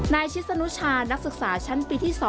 ชิสนุชานักศึกษาชั้นปีที่๒